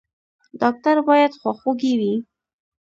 ډاکټر باید خواخوږی وي